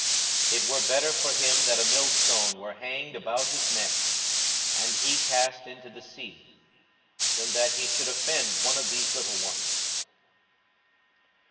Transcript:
42:017:002 It were better for him that a millstone were hanged about his neck, and he cast into the sea, than that he should offend one of these little ones.